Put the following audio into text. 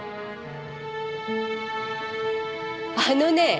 あのねぇ。